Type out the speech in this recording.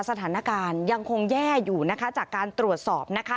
สถานการณ์ยังคงแย่อยู่นะคะจากการตรวจสอบนะคะ